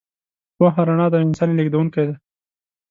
پوهه رڼا ده او انسان یې لېږدونکی دی.